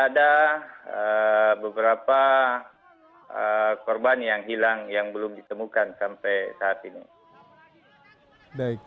ada beberapa korban yang hilang yang belum ditemukan sampai saat ini